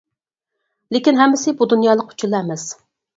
لېكىن ھەممىسى بۇ دۇنيالىق ئۈچۈنلا ئەمەس!